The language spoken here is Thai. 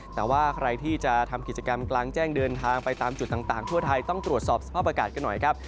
แต่ว่าใครที่จะทำกิจกรรมกลางแจ้งเดินทางไปตามจุดต่างทั่วไทยต้องตรวจสอบสภาพอากาศกันหน่อยครับ